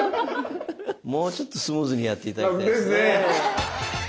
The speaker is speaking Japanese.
もうちょっとスムーズにやっていただきたいですね。ですねえ。